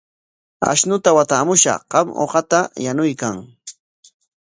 Ashnuta watamushaq, qam uqata yanuykan.